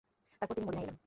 তারপর তিনি মদীনায় এলেন।